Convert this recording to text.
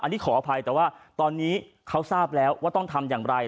อันนี้ขออภัยแต่ว่าตอนนี้เขาทราบแล้วว่าต้องทำอย่างไร